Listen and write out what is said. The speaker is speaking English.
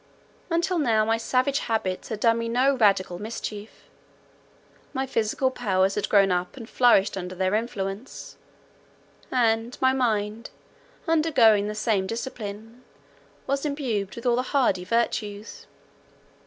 Until now, my savage habits had done me no radical mischief; my physical powers had grown up and flourished under their influence, and my mind, undergoing the same discipline, was imbued with all the hardy virtues.